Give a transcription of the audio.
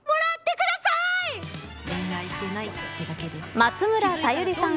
松村沙友理さん